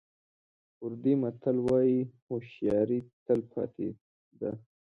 کوردي متل وایي هوښیاري تل پاتې ده.